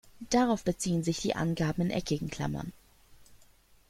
Darauf beziehen sich die Angaben in eckigen Klammern.